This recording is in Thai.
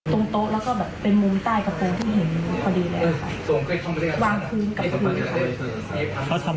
โต๊ะแล้วก็แบบเป็นมุมใต้กระโปรงที่เห็นพอดีเลย